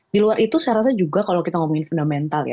di luar itu saya rasa juga kalau kita ngomongin fundamental ya